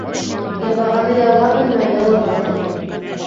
Ябағаны яуға менмә «ялы бар» тип